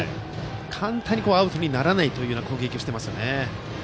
簡単にアウトにならない攻撃をしています。